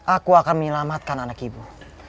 aku akan menyelamatkan anak ibu